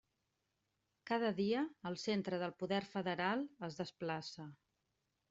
Cada dia, el centre del poder federal es desplaça.